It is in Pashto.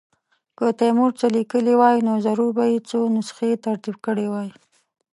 که تیمور څه لیکلي وای نو ضرور به یې څو نسخې ترتیب کړې وای.